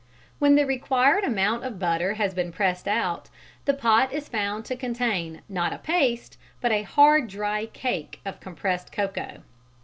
When the required amount of butter has been pressed out, the pot is found to contain not a paste, but a hard dry cake of compressed cocoa.